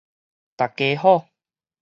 逐家好